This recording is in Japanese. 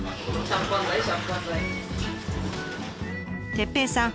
哲平さん